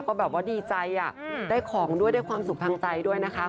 ก็แบบว่าดีใจได้ของด้วยได้ความสุขทางใจด้วยนะคะ